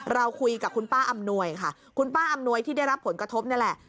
เราคุยกับคุณป้าอำนวยค่ะคุณป้าอำนวยที่ได้รับผลกระทบนี่แหละ